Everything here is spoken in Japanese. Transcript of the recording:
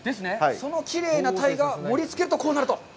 そのきれいな鯛が盛りつけるとこうなると？